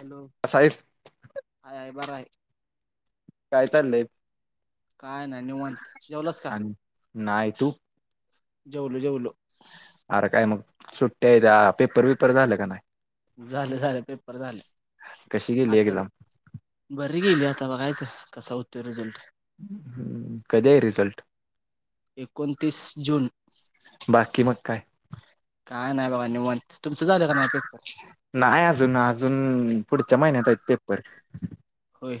Hello कसा आहेस hi बर आहे काय चाललंय काय ना निवंत जेवलस का नाहीय तू जेवलो जेवलो अरे काय मग सुट्ट्या आहे त्या पेपर बीपर झालं का नाही झाले झाले पेपर झाले कशी गेली आता एक्झाम बरी गेली आता बघायचं कसा होत रिझल्ट हम्म कधी आहे रिझल्ट एकोणतीस जून बाकी मग काय काय नाही बघा निवांत तुमचं झालं का नाही पेपर नाही अजून अजून पुढच्या महिन्यात आहेत पेपर होय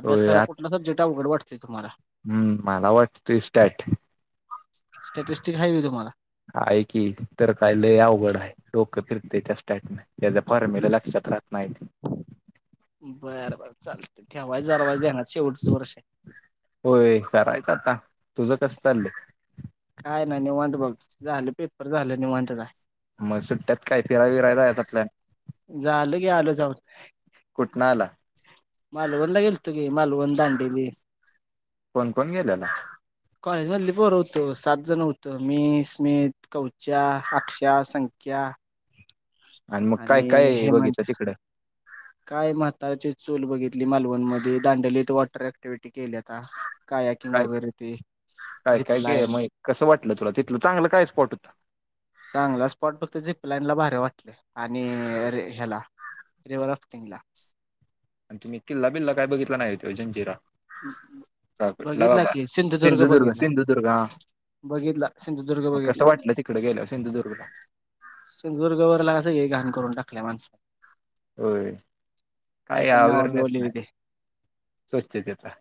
अभ्यास होय करा आत- कुठला सब्जेक्ट अवघड वाटते तुम्हाला हम्म माला वाटतोय स्टार्ट स्टॅटिस्टिक हाय होय तुम्हाला आहे की तर काय लंय अवघड आहे डोकं फिरतंय त्या स्टार्ट न त्याच्या फॉर्मुला लक्षात राह नाही बरं बर चालते ठेवाय दरवाज शेवटच वर्ष आहे होय करायच आता तुझं कस चाललंय काय नाही निवांत बघ झालं पेपर झालं निवांत जा मग सुट्ट्यात काय फिराय बीरायला जायचा प्लान झाल की आलो जाऊ कुठं आला मालवन ला गेलतो की दांडेली कोण कोण गेलेला.. कॉलेजमधली पोर होतो सात जण होतो मी स्मित कवच्या अक्षय संख्या.. आणि मग काय काय बघितलं तिकडं.. काय म्हातारीची चूल बघितली मालवण मधे दांडलीत वॉटर ऍक्टिव्हिटी केल्यात.. कायाकिंग काय वगैरे ते काय काय काय झिपलाईन... मग कसं वाटलं तुला तिथलं चांगलं काय स्पॉट होता... चांगला स्पॉट फक्त झिपलान ला भरी वाटल आणि ह्याला... रिवार क्राफ्टिंगला... आणि तुम्ही किल्ला बिल्ला काय बघितला नाही होते जंजिरा... च कटला बघितला बाबा की सिंधुदुर्ग बघितला सिंधुदुर्ग हा... बघितला सिंधुदुर्ग मग कसं बघितला वाटलं तिकड गेलं सिंधुदुर्गला.... सिंधुदुर्गवर सगळी घाण करून टाकल्या माणसांनी... होय काय का पण नाव बिव अवेअरनेस लिहिली नाही ते स्वच्छतेचा....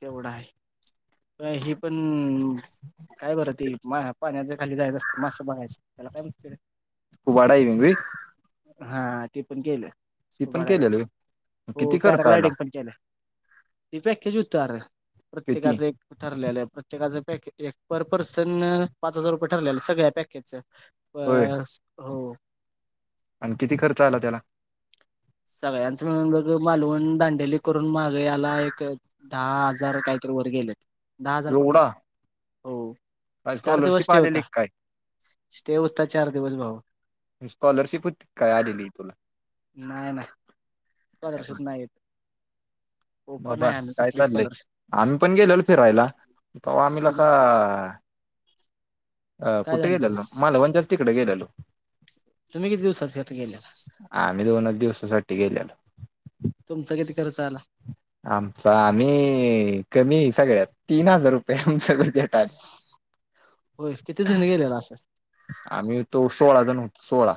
तेवढा आहे हे पण... काय बरं ते पाण्याच खाली जायच असतं मस्सं बघायचं त्याला काय म्हणतात रे..... खू वाडायई री... हा ते पण केलं ती कुबा ड्रायविंग केलेलं होय पण हो किती खर्च आला पॅराग्लायडिंग पण केलं... ती व्याख्याची उत्तर आहे किती प्रत्येकाचं एक... ठरलेलं प्रत्येकाचं पॅकेज एक पर पर्सन पाच हजार रुपये ठरलेलं सगळ्या पॅकेजचं... [unintelligible] बस हो... आणि किती खर्च आला त्याला... सगळ्यांचं म्हणून बघ मालवून दांडेली करून मागे याला एक... दहा हजार काहीतरी वर गेलेत... दहा हजार पकड एवढा हो काय चार दिवस स्कॉलरशिप स्टे आलेली होता... काय स्टे होतताात चार दिवस भाऊ.. स्कॉलरशिपच काय आलेली तुला.. नाही नाही काय स्कॉलरशिप नाही भेटली... बाबा काय कुठली चाललंय आम्ही पण गेलल फिरायला... त आम्ही कसा..... स्कॉलरशिप अ काय कुठे झालं गेले ना मालवणच्या तिकडे गेलेलो... तुम्ही किती दिवसासाठी गेलेला.... आाम्ही दोनच दिवसासाठी गेलेलो... तुमचं किती खर्च आला... आमचा आम्ही कमी सगळ्यात तीन हजार रुपये आमच.... होय किती जण गेलेला असं... आम्ही तो सोळा जण होतो सोळा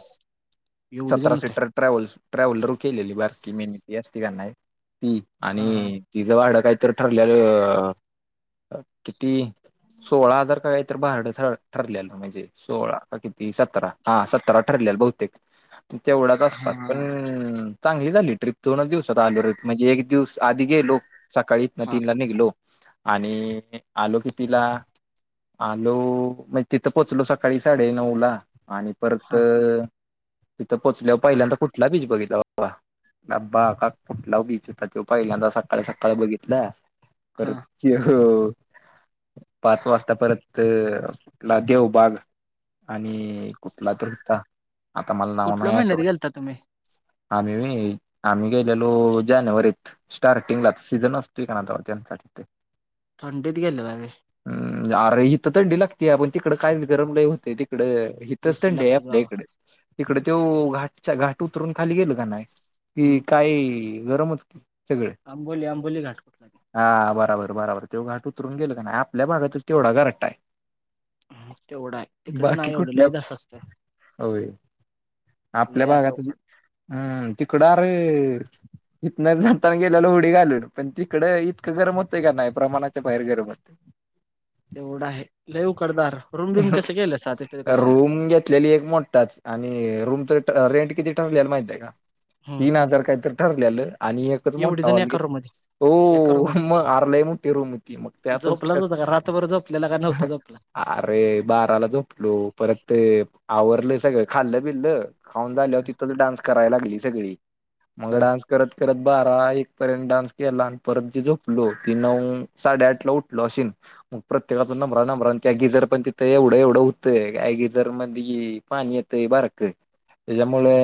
एवढे जण सतरा होते सीटर... ट्रॅव्हल ट्रॅव्हलरू केलेली बारकी मिनी ती असती का नाही ती हा हा आणि.... तिचं भाडं काहीत ठरलेलं.... किती सोळा हजार का काही तरी भाड ठरलेलं म्हणजे.. सोळा किती सतरा हा सत्तरा ठरले बहुतेक... तेवढाच आस हा पास पण... चांगली झाली ट्रीप दोन दिवसात आलो र म्हणजे एक दिवस आधी गेलो सकाळी ना हा तीनला निघलो... आणि आलो की तिला आलो म्हणजे तिथं पोचलो सग... सकाळी साडे नऊ ला आणि परत... हा तिथं पोचल्या पहील्यादा कुठला बीच बघितला... वां कुठला बीच होता ते पहिल्यांदा सकाळी सकाळी बघितलं बरे.. हा तो पाच वाजता परत कूठला तो देवबाग... आणि कुठला तर आता मला नाव कुठल्या नाही महिन्यात आठवत.... गेलता तुम्ही आम्ही आम्ही गेलेलो जानेवारीत. स्टार्टिंगलाच सीझजन असतोय का नाताथ ते. थंडीत गेले बागे. हम् अरे हिथ थंडी लागते पण तिकड काही गरम नाही होते तिकडे. इथच एसी ते लागते आपल्या बाबा इकडे तिकडे ते तिकड घाटच्या घाट उतरून खाली गेल का नाही. कि हम्म काही गरमच सगळे. आंबोली आंबोली घास. हा बराबर बराबर तेव घाट उतरून गेल का आपल्या भागात तेवढा घरट्ट आहे. म तेवढाय. बाकी कुठल्या हो आपल्या लय असं भागात. उकाड हम् तिकडार. इन जणताना गेल्याला उडी घालून पण तिकडडे इतकं गरम होतंय का नाही प्रमाणाच्या बाहेर गरम होत. [inaudible] तेवढं आहे लऊ करदार रूम बिम कस केलं सा ते. रूम घेतलेली एक मोठाच आणि रूमच रेंट किती ठांरलेल माहिती आहे का. हम्म तीन हजार काहीत ठरलेलं आणि एक. एवढी जाणकर मध्ये. हो एका रूम मध्ये मग आरलाय म टेरू मी त मग त्यातच झोपलाच कस. होता का रात्रभर झोपलेला का नव्हता झोपला अरे बाराला झोपलो परत ते आवरलं सगळं खाल्ल बिनलं. खाऊन झाल्यावर तिथंच डान्स करायला लागली सगळी मग हा डान्स करत करत बारा एक पर्यंत डान्स केला आणि परत जे झोपलो तेी नऊ साडेआठ ला उठल अश. मग प्रत्येकाातून नम्र नम्र त्याी जर पण तिथ एढ एवढ. का जर मध्ये पाणी येत बारक त्याच्यामुळे.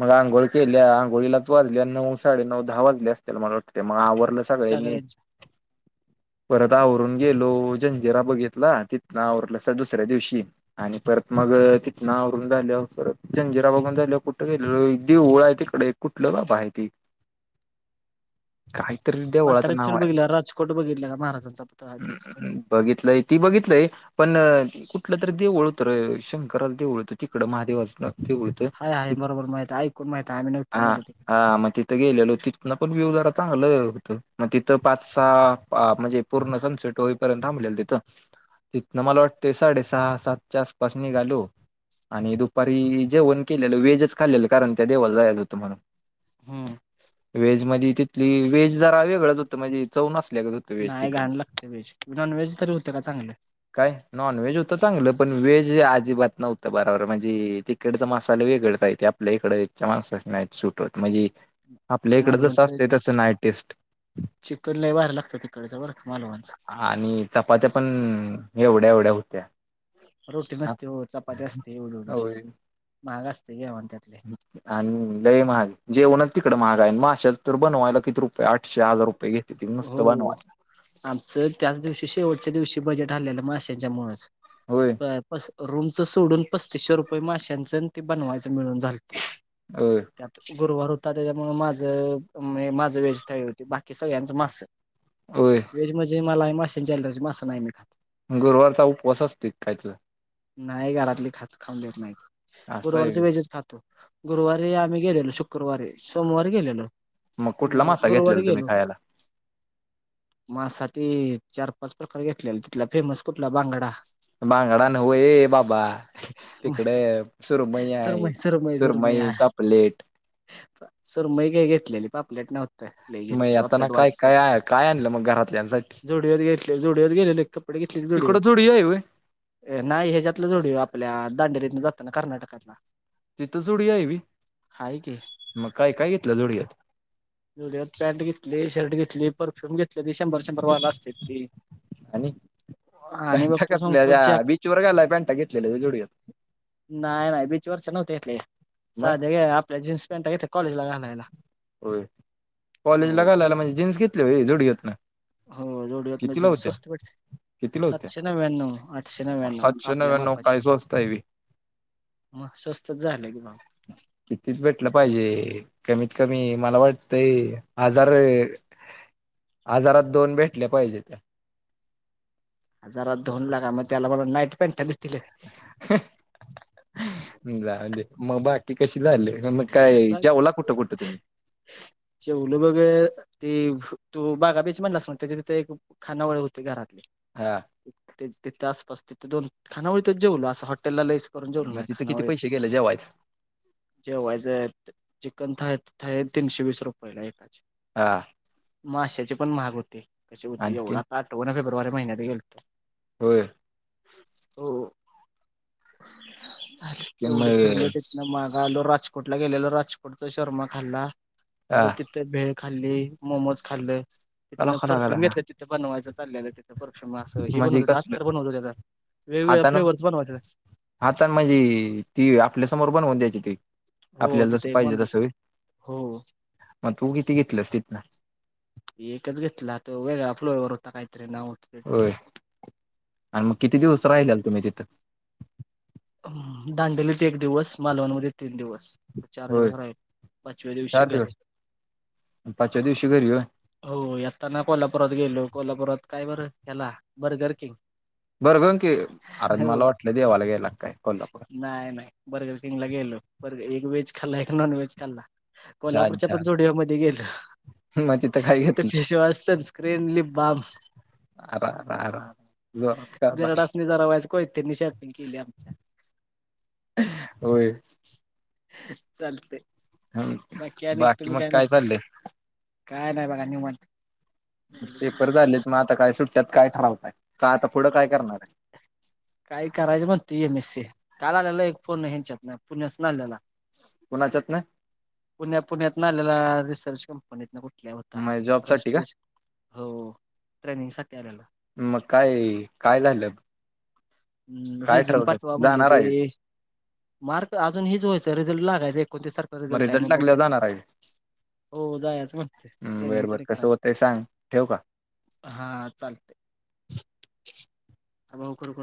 मग आंघोळ आंघोळीलाच वाजले नऊ साडेनऊ दहा वाजले असतीलला मला वाटतते मग आवरलं. सगळ्यांनी. सगळे परत आवरून गेलो जंजिरा बघितला तिथ आवरलं अस दुसऱ्या दिवशी आणि परत मग तिथना आवरून झाल परत जंजिरा बघून झाल कुठ. दे ळ आहे तिकडे कुठलं बाबा आहे त. काहीतरी दे ळाचं म्हातारा नाव चूल आहे. बघितला राजकोट बघितला का महाराजांचा पुतळा ते बघितलंय ती बघितलंय. पण कुठलं तरी देऊळ होतं र शंकराला देवळ होतं तिकड महादेवाच देळ. हय आहे बरोबर माहि आहे कोण माहिित आहे आ्हीघत हा गेलो. हा म. गेलेलो तिथं पण व्यू जरा चांगलं होत मग तिथं पाच सहा म्हणजे पूर्ण सनसेट होईपर्यंत ह मिल तिथं. तथ मला वाटतं साडे सहा सातच्यास पासणी घालू आणि दुपारी जे न केलेलं वेजच. खाल् कारण त्या देवाला जायला होत म्हला हम्म वेज म तिथली वज जरा वेगळंच होतं म्हणजे चौनसल्यागच होतं वे नाही ठिकड. घाण लागते व्हेज नॉनव्हेज तरी होतं का चांगलं काय. नॉन व्हेज होतं चांगलं पण व्हेज अजिबात नव्हतं बराबर म्हणजे तिकड तर मसाले वेगळेच आहेत. ते आपल्या इकडे छान अस सुटवत म्हणजे. आपल्या इकडं जसं असते तसं नाय टेस्ट. चिकलला वय लागत तिकडचं बरं का मालवांचं. आणि चपात्या पण एवढ्या एवढ्या होत्या. रोटी नसते हो चपाती असते एवढी एवढी होय. महाग असते घे म्हण त्यातले. आणि लय महाग जेवणच तिकड महागा आहे मशाल तर बनवायला किती रुप आठशे हजार रुपये घेते ती नुसत हो बनवायला. आमचं त्याच दिवशी शेवटच्या दिवशी बजेट आलेलं माशांच्या मुच होय प रूमच सोडून पस्तीसशे रुपये माशांचं ते बनवायचं मिळून झालं. अ - - त्यात गुरुवार होता त्याच्यामुळ माझं म्ह माझं वेजथाळी होती बाकी सगळ्यांचं मास. होय वेज म्हणजे मला आहे मासे ॲलरजी मास नाही मी खात. गुरुवारचा उपवास असतोय क काय तुझा? नाही घरातली खात खाऊ देत नाही. असं आहे गुरवारच व्हय. वेहेजच खातो. गुरुवारी आम्ही गेलेलो. शुक्रवारी, सोमवारी गेलेलो. मग कुठला सोमवारी मासा घेतलेला गुरुवारी तुम्ही गेलो. खायाला? मासा ते चार - पाच प्रकार घेतलेल तिथला फेमस कुठला बांगडा. बांगडा नव्ह. ये बाबा. तिकडे सुरमई आहे. सरमई सुरमई, पापलेट - - सुरमई काय घेतलेली पापलेट नव्हत. घेत मग आता बापर ना काय काय काय आणलं [unintelligible] मग घरातल्यांसाठी? जोडिओत घेतले. जोडिओत गेलेले - - तिकडं जोडिओ हाय होय? नाही. ह्याच्यातलं जोडीओ आपल्या दांडेरीतन जातं ना कर्नाटकातला. तिथं जोडया आहे बी हाय की मग काय काय घेतलं जोडयात? जोडिओत पॅन्ट घेतली. शर्ट घेतली. परफ्यूम घेतले ती शंभर शंभर वाल असत्यात ते. आणि पॅटा कसल्या सांगतो त्या जॅकेट बीचवर घालायला पॅन्टा घेतलेल्या जोडूव्यात. नाही. नाही. बीच वरच नव्हते घेतल्या ह्या. मग साध्या हे अ आपल्या जीन्स पॅंन्टा घेतल्या कॉलेजला घालायला. होय. कॉलेजला हो घालायला म्हणजे जीन्स घेतली जोडी घेत नाही. हो. जोडिओत म्हनजे स्वस्त पटते. कितीला होत्या सातशे नव्याण्णव, आठशे नव्याण्णव सातशे आपल्या नव्याण्णव काय मापाचे. स्वस्त हाय व्हय मग स्वस्तच झालं की बा कितीच भेटलं पाहिजे? कमीत कमी मला वाटतय - - हाजार हाजारात दोन भेटल्या पाहिजे त्या. जरात धऊन लागा मग त्याला मला नाईट पॅन्ट दितील - - जाले मग बाकी कशी झाले? मग काय जवला कुठं कुठं तुम्ही? जेवलं बग ते तू बागा बेच म्हणलास त्याच्या तिथे एक खानावळ होती घरातली हा ते तिथं आसपास तिथं दोन खानावळीतचं जेवलों असं हॉटलला लयच मग तिथं किती पैसे गेले जेवाहायच? जेवायच. चिकनथा थाळी हाय तीनशे वीस रुपयला एकाचे. हां. माश्याची पण महाग होते. कशी होती? आणखीन एवढा आठवण फेब्रुवारी महिन्यात गेलतो. होय. हो. हो. तेवढं मग फिरलो तितन मार आलो राजकोटला गेलेलो. राजकोटचा शर्मा खाल्ला हा परत ति भेळ खाल्ली. मोमोज खाल्ल. कला तिथनं कला परफ्यूम कला घेतलं तिथ बनवायचं चाललेलं. परफ्युमअस हे म्हणजे बनवतत्यात कसलं आंतर बनवत होते त्या वेगवेगळ्य हातानं फ्लेवरचं बनवायचं. आता म्हजी ती आपल्यासमोर बनवून देत्याती. हो आपल्याला जस तिथे एक पाहिजे बनवत तस व्हयं. हो. मग तू किती घेतलंस तिथन? एकच घेतला तर वेगळा फ्लोवर होता काहीतरी नाव हो होय, आणि मग किती दिवस राहिलेला तुम्ही तिथं? दांडलीत एक दिवस, मालवणमध्ये तीन दिवस. चार दिवस होय. राहील पाचव्या दिवशी चार घरी दिवस, पाचव्या दिवशी घरी होय. हो. येताना कोल्हापुरात गेलो कोल्हापुरात काय बर ह्याला बर्गर किंग. बरगर ग की अर मला हो वाटलं देवाला गेला का काय. कोल्हापूर नाही, नाही. बर्गर चिंगला गेलो बर् एक व्हेज खाल्ला. एक नॉन व्हेज खाल्ला. छान कोल्हापूरच्या पण छान जोडिओमध्ये गेलो. मग काय तिथं घेतलं फेशवाॉश, सन्सक्रिम, लिपबाब. आरा [unintelligible] ह [unintelligible] गराडासणी जरा व्हायचं कोैतनी शॉपिंग केली आमच्या [unintelligible] होय. चालते. ह अनेक बाकी तुम्ही मग काय म्हणताय चाललंय? काय नाही बघा निवात. पेपर झाले, मग आता काय सुट्ट्यात काय ठरवताय, का आता पुढं काय करणार आहे. काही करायचं म्हणते एम एस सी, काल आलेला एक फोन यांच्यात्न पुण्यासून आलेला. कोणाच्यात न पुण्या, पुण्यात न आलेला रिसर्च कंपनीत कुठ मग जॉबसाठी का. हो, ट्रेनिंगसाठी आलेलो. मग काय, काय झालं ह् काय रिझ्यूम पाठवा ठरवलं म्हटले जाणार ते, आहे मार्क अजून हिच व्हायचं रिझल्ट लागायच. कोणते्यासारखं रिझल्ट आहे मग लागल्यावर बघाचं जाणार [unintelligible] आहे. हो जायचं मणते, हम्म बर ट्रेनिंग बर तरी कसं करायचं. होतंय सांग ठेवू का? हा चालते, [unintelligible] भाऊ ख